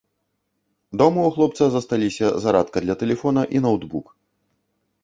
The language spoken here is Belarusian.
Дома ў хлопца засталіся зарадка для тэлефона і ноўтбук.